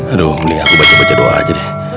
aduh aku baca baca doa aja deh